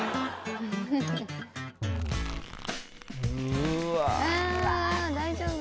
うわ大丈夫？